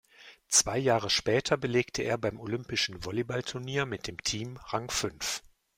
Zwei Jahre später belegte er beim olympischen Volleyballturnier mit dem Team Rang fünf.